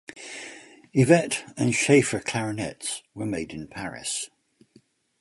Evette and Schaeffer clarinets were made in Paris.